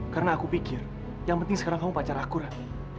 karena aku pikir yang penting sekarang kamu pacar aku rah